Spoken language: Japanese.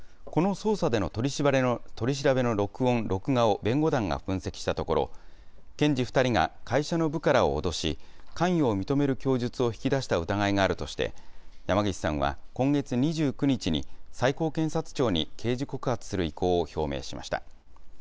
この捜査での取り調べの録音・録画を弁護団が分析したところ、検事２人が会社の部下らを脅し、関与を認める供述を引き出した疑いがあるとして、山岸さんは、今月２９日に、最高検察庁に刑事告発する意向を表明しました。